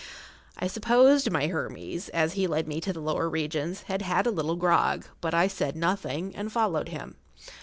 I supposed my Hermes, as he led me to the lower regions, had had a little grog, but I said nothing, and followed him.